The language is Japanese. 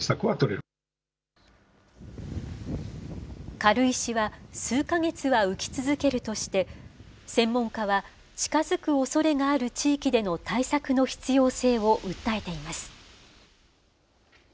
軽石は、数か月は浮き続けるとして、専門家は、近づくおそれがある地域での対策の必要性を訴えています。